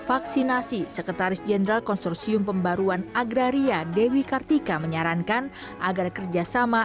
vaksinasi sekretaris jenderal konsorsium pembaruan agraria dewi kartika menyarankan agar kerjasama